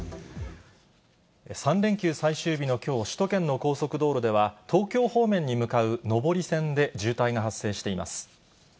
３連休最終日のきょう、首都圏の高速道路では、東京方面に向かう上り線で、渋滞が発生しています。